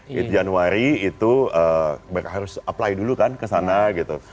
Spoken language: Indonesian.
di januari itu mereka harus apply dulu kan kesana gitu